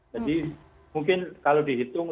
jadi mungkin kalau dihitung